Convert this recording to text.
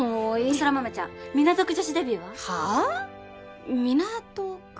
空豆ちゃん港区女子デビューは？はあ？港区？